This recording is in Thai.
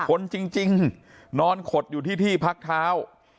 คนจริงนอนขดอยู่ที่ที่พักเท้า